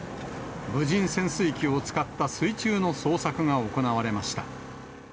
無人潜水機を使った水中の捜索が行われました。